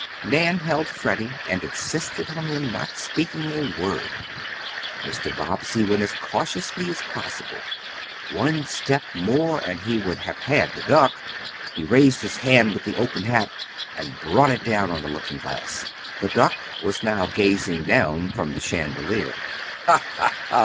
Nan held Freddie and insisted on him not speaking a word. Mr. Bobbsey went as cautiously as possible. One step more and he would have had the duck. He raised his hand with the open hat and brought it down on the looking glass! The duck was now gazing down from the chandelier! "Ha! ha! ha!"